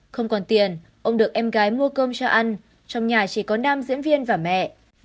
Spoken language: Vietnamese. không còn tiền ông được em gái mua cơm cho ăn trong nhà chỉ có nam diễn viên và mẹ